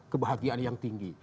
kebahagiaan yang tinggi